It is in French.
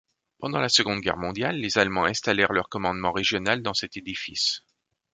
Pendant la Seconde Guerre mondiale les Allemands installèrent leur commandement régional dans cet édifice.